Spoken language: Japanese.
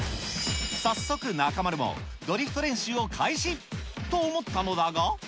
早速、中丸もドリフト練習を開始、と思ったのだが。